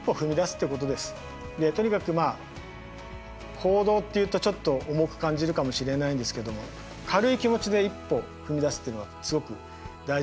とにかくまあ行動っていうとちょっと重く感じるかもしれないんですけども軽い気持ちで一歩踏み出すっていうのがすごく大事かなと思います。